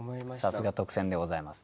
さすが特選でございます。